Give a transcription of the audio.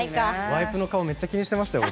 ワイプの顔、めっちゃ気にしてましたよ。